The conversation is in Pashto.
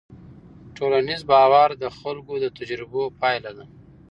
ټولنیز باور د خلکو د تجربو پایله ده.